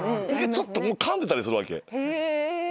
もうかんでたりするわけ。